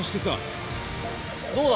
どうだ？